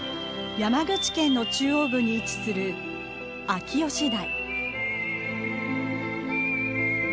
山口県の中央部に位置する秋吉台。